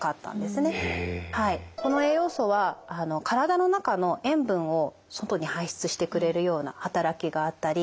この栄養素は体の中の塩分を外に排出してくれるような働きがあったり。